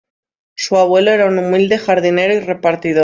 Su abuelo era un humilde jardinero y repartidor.